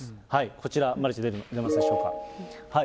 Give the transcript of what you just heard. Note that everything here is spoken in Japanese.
こちら、マルチで出ますでしょうか。